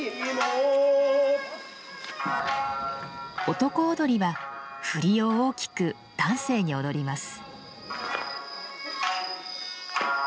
男踊りは振りを大きく端正に踊ります。